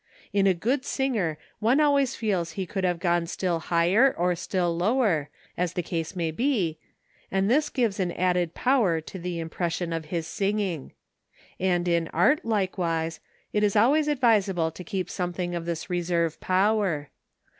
In a good singer one always feels he could have gone still higher or still lower, as the case may be, and this gives an added power to the impression of his singing. And in art, likewise, it is always advisable to keep something of this reserve power.